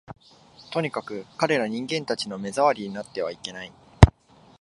とにかく、彼等人間たちの目障りになってはいけない